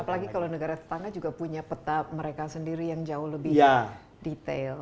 apalagi kalau negara tetangga juga punya peta mereka sendiri yang jauh lebih detail